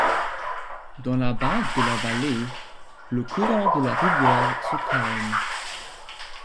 Dans la bas de la vallée, le courant de la rivière se calme.